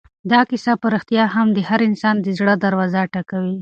دا کیسه په رښتیا هم د هر انسان د زړه دروازه ټکوي.